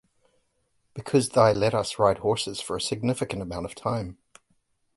because thy let us ride horses for a significant amount of time